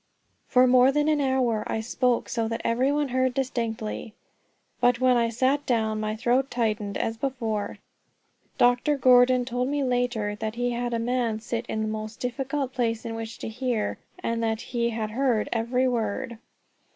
For more than an hour I spoke so that every one heard distinctly; but when I sat down my throat tightened as before. Dr. Gordon told me later that he had a man sit in the most difficult place in which to hear, and that he had heard every word.